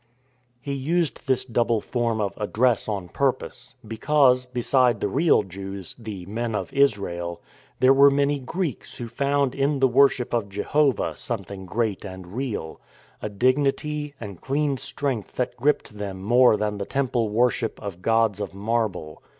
He used this double form of address on purpose; because, beside the real Jews —" the men of Israel "— there were many Greeks who found in the worship of Jehovah something great and real, a dignity and clean strength that gripped them more than the temple worship of gods of marble.